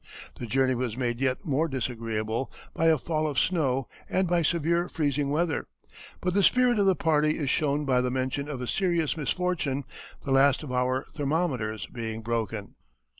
The journey was made yet more disagreeable by a fall of snow and by severe freezing weather, but the spirit of the party is shown by the mention of a "serious misfortune, the last of our thermometers being broken."